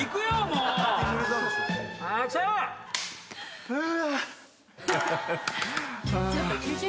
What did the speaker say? うわ！